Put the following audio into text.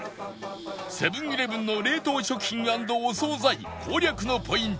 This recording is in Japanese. セブン−イレブンの冷凍食品＆お惣菜攻略のポイント